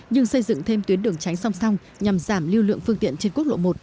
nhưng xây dựng thêm tuyến đường tránh song song nhằm giảm lưu lượng phương tiện trên quốc lộ một